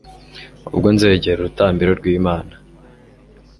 ubwo nzegera urutambiro rw'imana